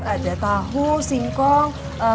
ada tahu singkong